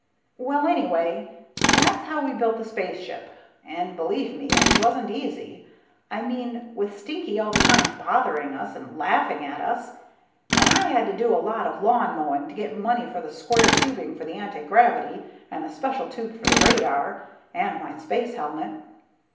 Well, anyway, that's how we built the spaceship, and believe me, it wasn't easy. I mean with Stinky all the time bothering us and laughing at us. And I had to do a lot of lawn mowing to get money for the square tubing for the antigravity and the special tube for the radar, and my space helmet.